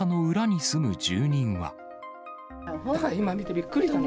今見てびっくりしたの。